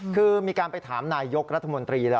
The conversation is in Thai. คือมีการไปถามนายยกรัฐมนตรีแล้ว